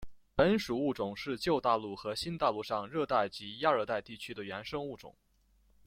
本属物种是旧大陆和新大陆上热带及亚热带地区的原生物种。